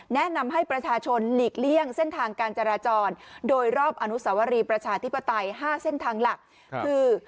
แนะนำให้ประชาชนหลีกเลี่ยงเส้นทางการจราจรโดยรอบอนุสาวรีประชาธิปไตย๕เส้นทางหลักคือ